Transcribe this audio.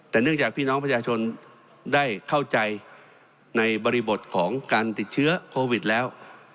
แต่เนื่องจากพี่น้องประชาชนได้เข้าใจในบริบทของการติดเชื้อโควิดแล้ว